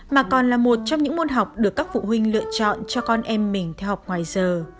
mà còn là một trong những môn học được các phụ huynh lựa chọn cho con em mình theo học ngoài giờ